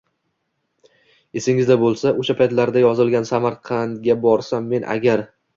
Esingizda bo‘lsa, o‘sha paytlarda yozilgan “Samarqandga borsam men agar…”